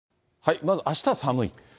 まず、あしたは寒い？